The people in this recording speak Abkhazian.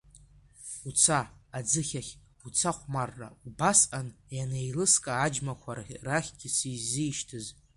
Уца, аӡыхь ахь, уца хәмарра, убасҟан ауп ианеилыскаа аџьмақәа рахьгьы сзишьҭыз.